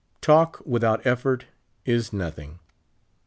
Talk, without effort, is nothing.